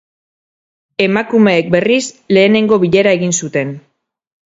Emakumeek, berriz, lehenengo bilera egin zuten.